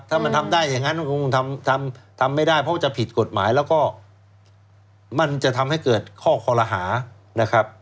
ถ้ามันทำได้อย่างนั้นก็คงทำทำไม่ได้เพราะว่าจะผิดกฎหมายแล้วก็มันจะทำให้เกิดข้อคอลหานะครับ